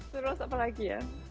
terus apa lagi ya